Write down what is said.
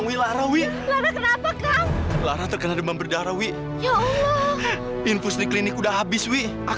ya allah mbak sama sekali enggak mbak